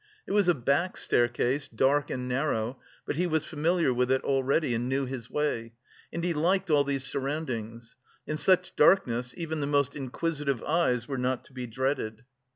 It was a back staircase, dark and narrow, but he was familiar with it already, and knew his way, and he liked all these surroundings: in such darkness even the most inquisitive eyes were not to be dreaded.